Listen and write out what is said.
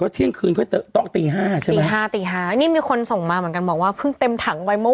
เติมแล้วไหมเนาะเต็มถังไปเลย